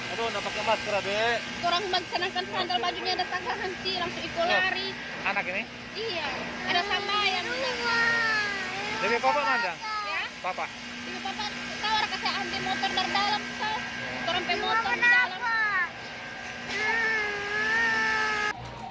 anak ini iya ada sama yang